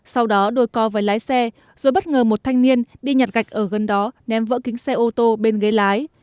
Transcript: sau đó đôi co với lái xe rồi bất ngờ một thanh niên đi nhặt gạch ở gần đó ném vỡ kính xe ô tô bên ghế lái